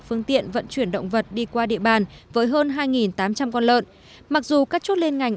phương tiện vận chuyển động vật đi qua địa bàn với hơn hai tám trăm linh con lợn mặc dù các chốt liên ngành